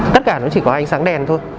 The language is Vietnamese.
tất cả nó chỉ có ánh sáng đèn thôi